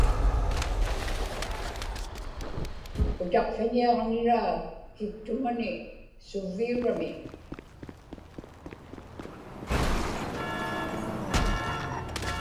utaqqiniaġniraa kiktumani suvviurami